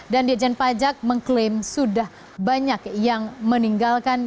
dan di ajen pajak mengklaim sudah banyak yang meninggalkan